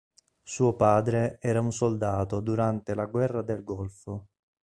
Suo padre era un soldato durante la guerra del Golfo.